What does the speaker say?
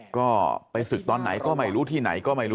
ก็ไปศึกตอนไหนก็ไม่รู้ที่ไหนก็ไม่รู้